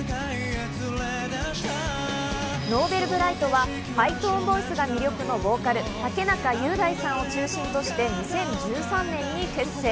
Ｎｏｖｅｌｂｒｉｇｈｔはハイトーンボイスが魅力のボーカル・竹中雄大さんを中心として２０１３年に結成。